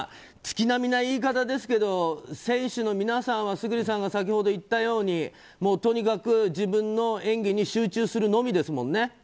月並みな言い方ですけど選手の皆さんは村主さんが先ほど言ったようにもうとにかく、自分の演技に集中するのみですもんね。